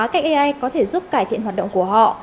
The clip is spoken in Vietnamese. cách ai có thể giúp cải thiện hoạt động của họ